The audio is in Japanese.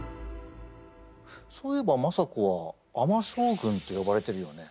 そういえば政子は尼将軍って呼ばれてるよね。